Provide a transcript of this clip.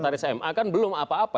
tarif ma kan belum apa apa